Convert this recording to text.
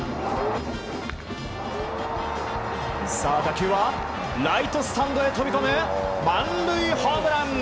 打球はライトスタンドへ飛び込む満塁ホームラン！